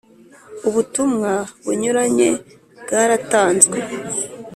ubutumwa bunyuranye bwaratanzwe